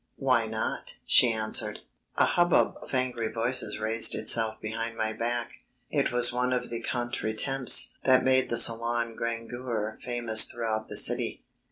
"Why not?" she answered. A hubbub of angry voices raised itself behind my back. It was one of the contretemps that made the Salon Grangeur famous throughout the city.